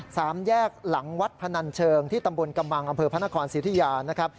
สามแยกหลังวัดพนันเชิงที่ตำบลกำมังอำเภอพระนครสิทธิยานะครับ